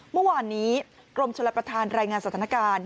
เมื่อวานนี้กรมชลประธานรายงานสถานการณ์